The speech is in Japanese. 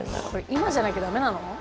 「今じゃなきゃダメなの？」